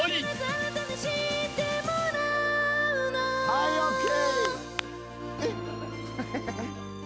はいＯＫ。